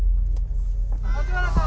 立花さん！